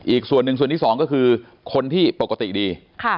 อีกส่วนหนึ่งส่วนที่สองก็คือคนที่ปกติดี